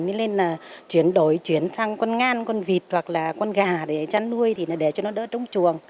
nên chuyển đổi chuyển sang con ngan con vịt hoặc là con gà để chăn nuôi để cho nó đỡ trống chuồng